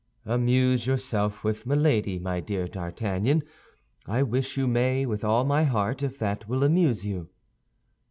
"Amuse yourself with Milady, my dear D'Artagnan; I wish you may with all my heart, if that will amuse you."